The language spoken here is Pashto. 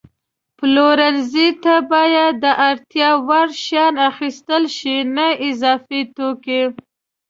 پلورنځي ته باید د اړتیا وړ شیان اخیستل شي، نه اضافي توکي.